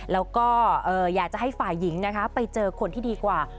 แล้วก็อยากจะให้ฝ่ายหญิงนะคะไปเจอคนที่ดีกว่า